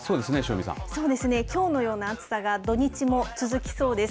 きょうのような暑さが土日も続きそうです。